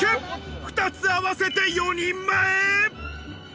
２つ合わせて４人前。